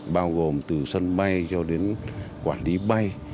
bao gồm từ sân bay cho đến quản lý bay